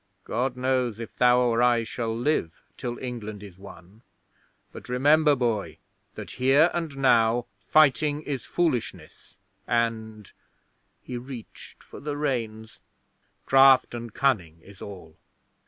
God knows if thou or I shall live till England is won; but remember, boy, that here and now fighting is foolishness and" he reached for the reins "craft and cunning is all."